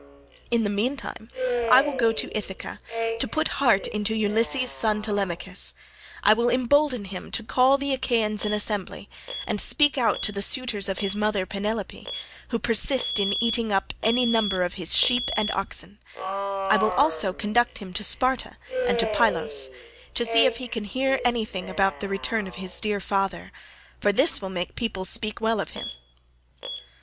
In the meantime I will go to Ithaca, to put heart into Ulysses' son Telemachus; I will embolden him to call the Achaeans in assembly, and speak out to the suitors of his mother Penelope, who persist in eating up any number of his sheep and oxen; I will also conduct him to Sparta and to Pylos, to see if he can hear anything about the return of his dear father—for this will make people speak well of him."